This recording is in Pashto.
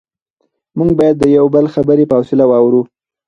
موږ باید د یو بل خبرې په حوصله واورو